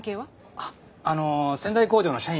あっあの仙台工場の社員です。